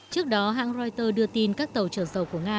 trước đó hãng reuters đưa tin các tàu chở dầu của nga